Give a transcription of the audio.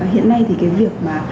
hiện nay thì cái việc